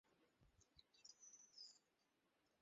সেদিন গানটি বড়ো জমিল।